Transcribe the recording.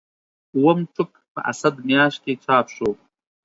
اووم ټوک په اسد میاشت کې چاپ شو.